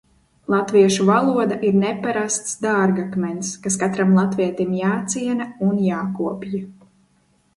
Latviešu valoda ir neparasts dārgakmens, kas katram latvietim jāciena un jākopj.